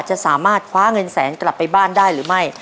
จะสามารถคว้าเงินแสนกลับไปบ้านได้หรือไม่